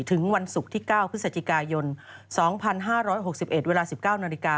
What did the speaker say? ถึงวันศุกร์ที่๙พฤศจิกายน๒๕๖๑เวลา๑๙นาฬิกา